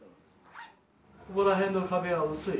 ここら辺の壁は薄い。